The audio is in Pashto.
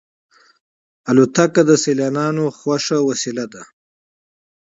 الوتکه د سیلانیانو خوښه وسیله ده.